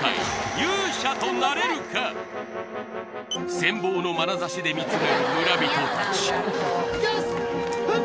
羨望のまなざしで見つめる村人達フッ！